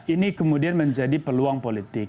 ini kemudian menjadi peluang politik